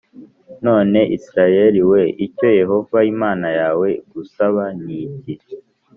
None Isirayeli we, icyo Yehova Imana yawe igusaba ni iki?